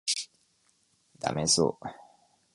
ダメそう